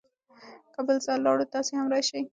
که بل ځل لاړو، تاسې هم راشئ.